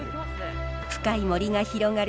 深い森が広がる